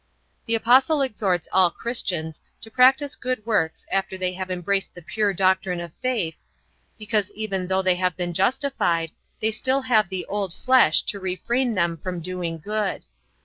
The Apostle exhorts all Christians to practice good works after they have embraced the pure doctrine of faith, because even though they have been justified they still have the old flesh to refrain them from doing good.